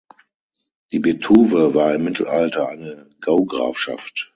Die Betuwe war im Mittelalter eine Gaugrafschaft.